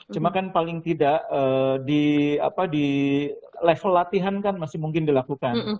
cuma kan paling tidak di level latihan kan masih mungkin dilakukan